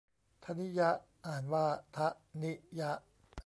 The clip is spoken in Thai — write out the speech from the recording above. ธนิย อ่านว่า ทะนิยะ